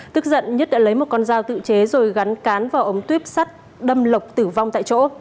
tức giận nhất đã lấy một con dao tự chế rồi gắn cán vào ống tuyếp sắt đâm lộc tử vong tại chỗ